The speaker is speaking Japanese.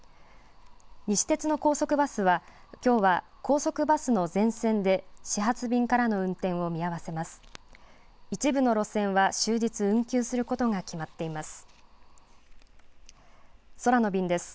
西鉄の高速バスはきょうは高速バスの全線で始発便からの運転を見合わせます。